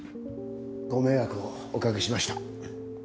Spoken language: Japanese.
ご迷惑をおかけしました。